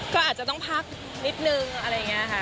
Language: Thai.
ก็อาจจะต้องพักนิดนึงอะไรอย่างนี้ค่ะ